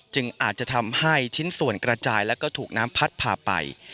อาจจะทำให้ชิ้นส่วนกระจายแล้วก็ถูกน้ำพัดพาไป